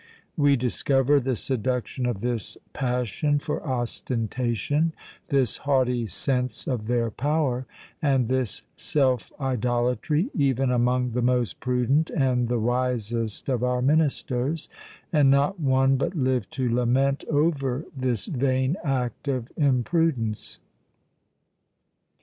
We discover the seduction of this passion for ostentation, this haughty sense of their power, and this self idolatry, even among the most prudent and the wisest of our ministers; and not one but lived to lament over this vain act of imprudence.